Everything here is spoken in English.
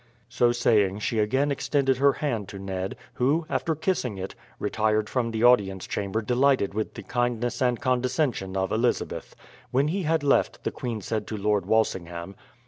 So saying she again extended her hand to Ned, who, after kissing it, retired from the audience chamber delighted with the kindness and condescension of Elizabeth. When he had left, the queen said to Lord Walsingham.